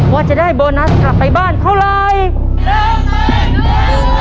ว่าจะได้โบนัสกลับไปบ้านเท่าไร